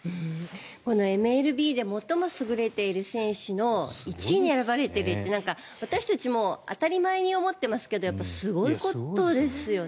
このＭＬＢで最も優れている選手の１位に選ばれているって私たちも当たり前に思っていますけどすごいことですよね。